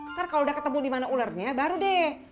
ntar kalo udah ketemu dimana ulernya baru deh